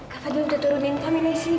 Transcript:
kak fadil udah turunin kami nih disini